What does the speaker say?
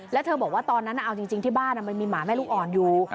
แล้วเธอบอกว่าตอนนั้นเอาจริงที่บ้านมันมีหมาแม่ลูกอ่อนอยู่